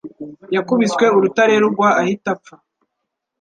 Yakubiswe urutare rugwa ahita apfa.